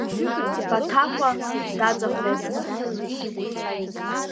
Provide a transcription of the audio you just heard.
Баҭаҟәа даҵахомызт.